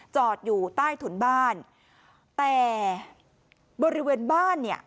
จอดอยู่ใต้ถุนบ้านแต่บริเวณบ้านเนี่ย